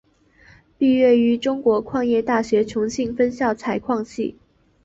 毕业于中国矿业大学重庆分校采矿系。